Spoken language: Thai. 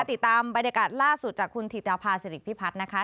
ติดตามบรรยากาศล่าสุดจากคุณถีเตี๊ยวพาเสด็จพี่พัฒน์นะคะ